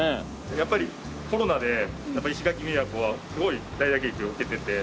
やっぱりコロナで石垣宮古はすごい大打撃を受けてて。